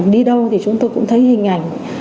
đi đâu thì chúng tôi cũng thấy hình ảnh